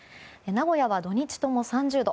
名古屋は土日とも３０度。